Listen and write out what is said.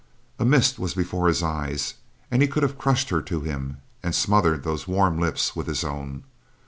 A mist was before his eyes, and he could have crushed her to him and smothered those warm lips with his own.